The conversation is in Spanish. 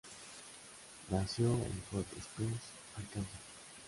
Nació en Hot Springs, Arkansas.